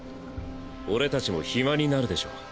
俺たちも暇になるでしょ！